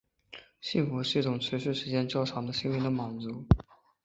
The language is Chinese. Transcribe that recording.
幸福是一种持续时间较长的心灵的满足。